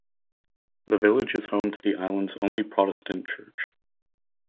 The village is home to the island's only Protestant church.